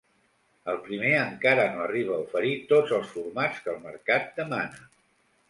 El primer encara no arriba a oferir tots els formats que el mercat demana.